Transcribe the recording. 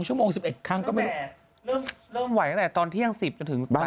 ชั่วโมง๑๑ครั้งก็ไม่เริ่มไหวตั้งแต่ตอนเที่ยง๑๐จนถึงบ่าย